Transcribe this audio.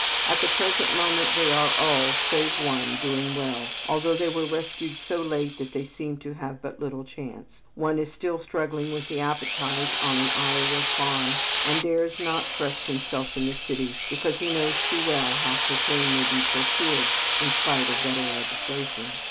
At the present moment they are all, save one, doing well, although they were rescued so late that they seemed to have but little chance. One is still struggling with the appetite on an Iowa farm and dares not trust himself in the city because he knows too well how cocaine may be procured in spite of better legislation.